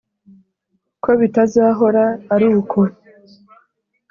ko bitazahora ari uko